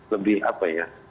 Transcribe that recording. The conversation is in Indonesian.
lebih apa ya